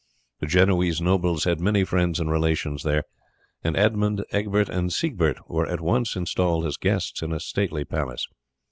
The Genoese nobles had many friends and relations there, and Edmund, Egbert, and Siegbert were at once installed as guests in a stately palace.